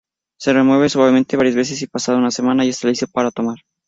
Se remueve suavemente varias veces y pasada una semana ya está listo para tomar.